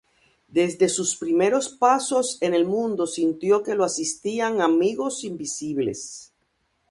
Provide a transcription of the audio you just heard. Desde sus primeros pasos en el mundo sintió que lo asistían amigos invisibles.